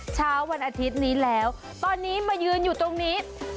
เช้าวันอาทิตย์นี้แล้วตอนนี้มายืนอยู่ตรงนี้